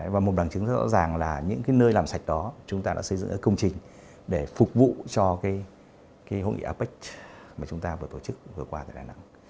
và một bằng chứng rõ ràng là những nơi làm sạch đó chúng ta đã xây dựng các công trình để phục vụ cho hội nghị apec mà chúng ta vừa tổ chức vừa qua tại đà nẵng